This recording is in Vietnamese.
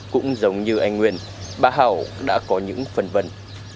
cũng giống như anh nguyên bà hảo đã có những phần vân